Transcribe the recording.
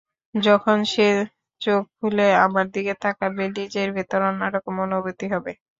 যখন সে চোখ খুলে আমার দিকে তাকাবে, নিজের ভেতর অন্যরকম অনুভূতি হবে।